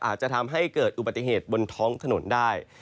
อาจจะทำให้เกิดอุบัติเหตุบนท้องถนนได้